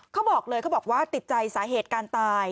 เขาบอกเลยว่าติดใจสาเหตุการณ์ตาย